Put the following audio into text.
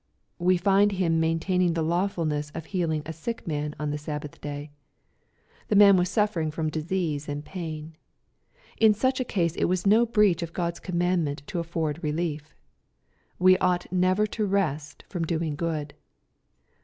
— We find Him maintaining the lawfulness of healing a sick man on the Sabbath day. The man was suffering from ICATTHEW^ CHAP. XH. 123 disease and pain. In such a case it was no breach of Grod's commandment to afford relief. We ought never to rest from doing good.